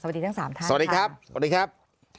สวัสดีทั้งสามท่านสวัสดีครับสวัสดีครับ